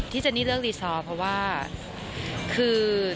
เจนนี่เลิกรีซอร์เพราะว่าคือ